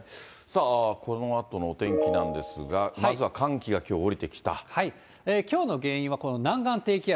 このあとのお天気なんですが、まずは寒気がきょう、きょうの原因は、この南岸低気圧。